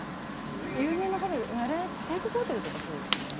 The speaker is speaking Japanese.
有名な方で帝国ホテルとかそうですよね。